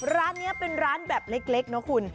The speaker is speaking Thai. ร้านนี้เป็นร้านแบบเล็กนะคุณ